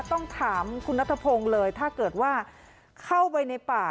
ต้องถามคุณนัทพงศ์เลยถ้าเกิดว่าเข้าไปในป่า